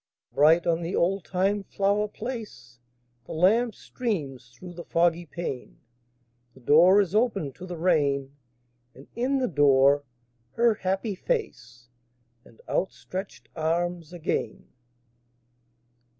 Bright on the oldtime flower place The lamp streams through the foggy pane; The door is opened to the rain: And in the door her happy face And outstretched arms again.